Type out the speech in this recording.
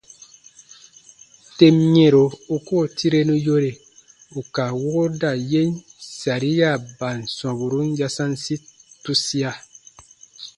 Tem yɛ̃ro u koo tirenu yore ù ka wooda yèn sariaban sɔmburun yasansi tusia.